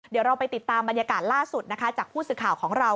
เดี๋ยวเราไปติดตามบรรยากาศล่าสุดนะคะจากผู้สื่อข่าวของเรา